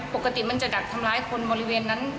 ปกติมันจะดักทำร้ายคนบริเวณนั้น